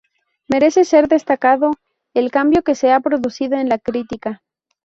Merece ser destacado el cambio que se ha producido en la crítica.